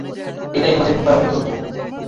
এটাই তোমাদের ঘুমপাড়ানি গল্প।